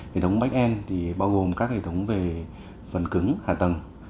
hệ thống backend thì bao gồm các hệ thống về phần cứng hạ tầng